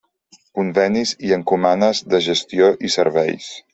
Convenis i encomanes de gestió i serveis.